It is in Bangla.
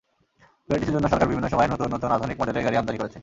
বিআরটিসির জন্য সরকার বিভিন্ন সময়ে নতুন নতুন অত্যাধুনিক মডেলের গাড়ি আমদানি করেছে।